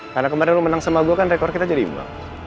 karena kemarin lo menang sama gue kan rekor kita jadi lima